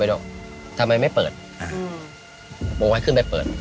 โปรให้ขึ้นไปเปิด